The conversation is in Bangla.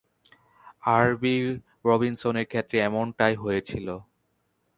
আর ভি রবিনসনের ক্ষেত্রে এমনটাই হয়েছিল।